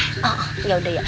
iya yaudah ya